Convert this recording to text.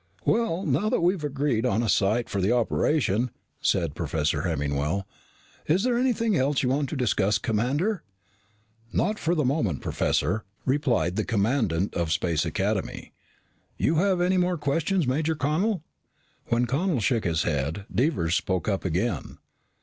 "Well, now that we're agreed on a site for the operation," said Professor Hemmingwell, "is there anything else you want to discuss, Commander?" "Not for the moment, Professor," replied the commandant of Space Academy. "You have any more questions, Major Connel?" When Connel shook his head, Devers spoke up again.